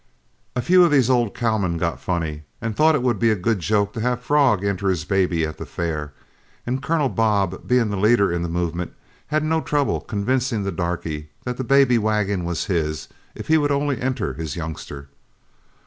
A few of these old cowmen got funny and thought it would be a good joke to have Frog enter his baby at the fair, and Colonel Bob being the leader in the movement, he had no trouble convincing the darky that that baby wagon was his, if he would only enter his youngster.